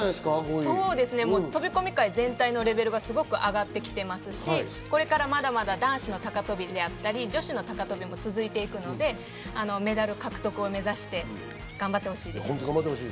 飛び込み界全体のレベルが上がってきていますし、これから男子の高飛びや女子の高飛びも続いていくので、メダル獲得を目指して頑張って欲しいです。